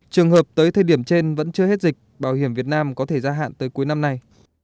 trường hợp tới thời điểm trên vẫn chưa hết dịch bảo hiểm việt nam có thể gia hạn tới cuối năm nay